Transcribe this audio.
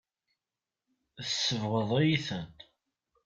Tsebɣeḍ-iyi-ten.